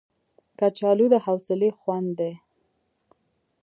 کچالو د حوصلې خوند دی